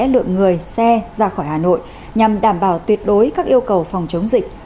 lượng người xe ra khỏi hà nội nhằm đảm bảo tuyệt đối các yêu cầu phòng chống dịch